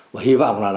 và hy vọng là